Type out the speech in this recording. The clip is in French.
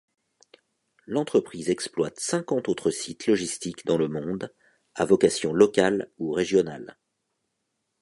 L'entreprise exploite cinquante autres sites logistiques dans le monde, à vocation locale ou régionale.